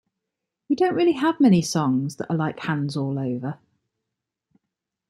We don't really have many songs that are like "Hands All Over".